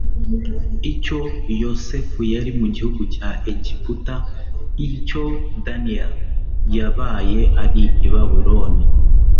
icyo Yosefu yari mu gihugu cya Egiputa, icyo Daniel yabaye ari i Babuloni,